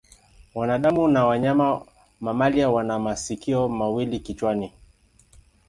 Wanadamu na wanyama mamalia wana masikio mawili kichwani.